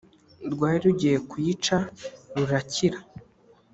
rwari rugiye kuyica rurakira